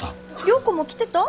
良子も来てた？